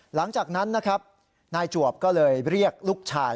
หลังจากนั้นนะครับนายจวบก็เลยเรียกลูกชาย